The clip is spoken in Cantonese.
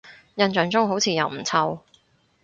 印象中好似又唔臭